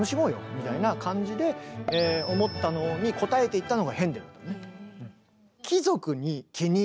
みたいな感じで思ったのに応えていったのがヘンデルだね。